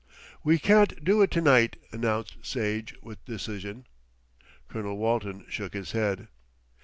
"We can't do it to night," announced Sage with decision. Colonel Walton shook his head.